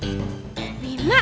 bisa itu tidak